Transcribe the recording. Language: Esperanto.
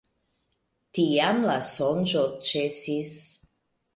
Tiam la sonĝo ĉesis.